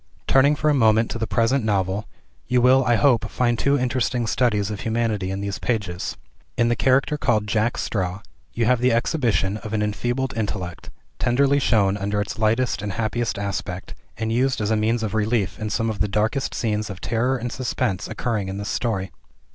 Turning for a moment to the present novel, you will (I hope) find two interesting studies of humanity in these pages. In the character called "Jack Straw," you have the exhibition of an enfeebled intellect, tenderly shown under its lightest and happiest aspect, and used as a means of relief in some of the darkest scenes of terror and suspense occurring in this story.